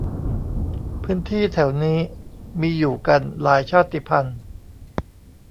พื้นที่แถวนี้ มีอยู่กันหลายชาติพันธุ์